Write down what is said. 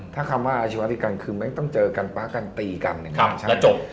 ถ้าคำว่าอาชาวะตีกันคือแม่งต้องเจอกันป๊ากันตีกันแล้วจบ